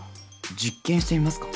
実験してみますか？